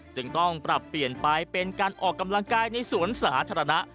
จึงต้องปรับเปลี่ยนไปเป็นการออกกำลังกายในสวนสาธารณะ